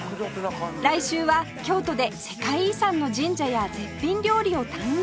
来週は京都で世界遺産の神社や絶品料理を堪能